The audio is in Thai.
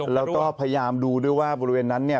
แล้วก็พยายามดูด้วยว่าบริเวณนั้นเนี่ย